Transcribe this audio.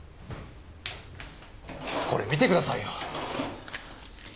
これ見てくださいよ。